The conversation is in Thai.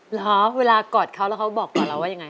เหรอเวลากอดเขาแล้วเขาบอกต่อเราว่ายังไง